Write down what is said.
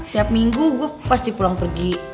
tiap minggu gue pasti pulang pergi